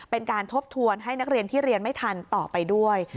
เป็นการทบทวนให้นักเรียนที่เรียนไม่ทันต่อไปด้วย